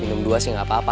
minum dua sih gak apa apa